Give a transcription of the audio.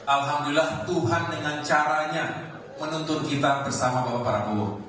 alhamdulillah tuhan dengan caranya menuntut kita bersama bapak prabowo